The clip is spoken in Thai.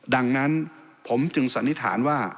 ดังนั้นผมจึงสันนิษฐานว่า